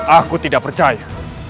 aku tidak percaya